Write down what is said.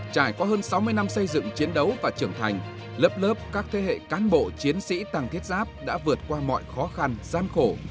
trải qua hơn sáu mươi năm xây dựng chiến đấu và trưởng thành lớp lớp các thế hệ cán bộ chiến sĩ tăng thiết giáp đã vượt qua mọi khó khăn gian khổ